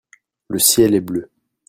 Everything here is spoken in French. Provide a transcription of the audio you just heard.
le ciel est bleu.